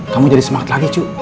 kamu jadi semangat lagi cu